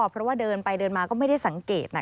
เพราะว่าเดินไปเดินมาก็ไม่ได้สังเกต